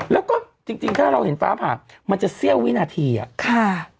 แล้วก็จริงจริงถ้าเราเห็นฟ้าผ่ามันจะเสี้ยววินาทีอ่ะค่ะ